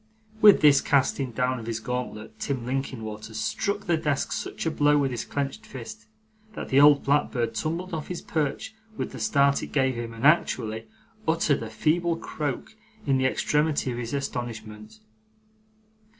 With this casting down of his gauntlet, Tim Linkinwater struck the desk such a blow with his clenched fist, that the old blackbird tumbled off his perch with the start it gave him, and actually uttered a feeble croak, in the extremity of his astonishment.